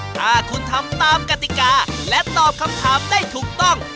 ถ้าคุณทำตามกติกาและตอบคำถามได้ถูกต้อง